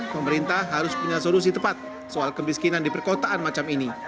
pemerintah harus punya solusi tepat soal kemiskinan di perkotaan macam ini